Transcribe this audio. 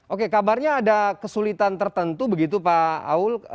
oke kabarnya ada kesulitan tertentu begitu pak aul